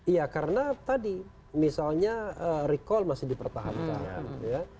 iya karena tadi misalnya recall masih dipertahankan ya